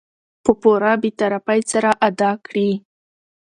په پوره بې طرفي سره ادا کړي .